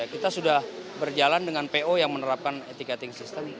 kita sudah berjalan dengan po yang menerapkan tiketing sistem